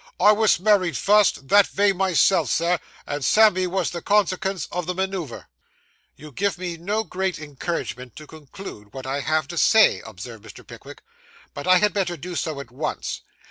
I wos married fust, that vay myself, Sir, and Sammy wos the consekens o' the manoover.' 'You give me no great encouragement to conclude what I have to say,' observed Mr. Pickwick, 'but I had better do so at once.